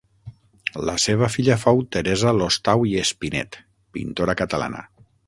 La seva filla fou Teresa Lostau i Espinet, pintora catalana.